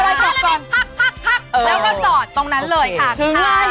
แล้วก็จอดตรงนั้นเลยค่ะ